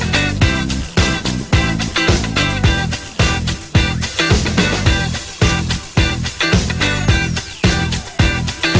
ไม่เอาอีกเหรอไม่ต่อ